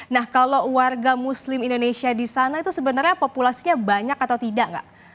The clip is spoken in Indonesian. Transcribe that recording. nah kalau warga muslim indonesia di sana itu sebenarnya populasinya banyak atau tidak nggak